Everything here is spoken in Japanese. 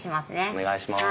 お願いします。